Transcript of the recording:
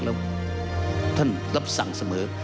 แล้วท่านรับสั่งเสมอ